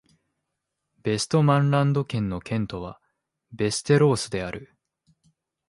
ヴェストマンランド県の県都はヴェステロースである